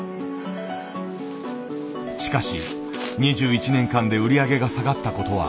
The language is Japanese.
しかし２１年間で売り上げが下がった事は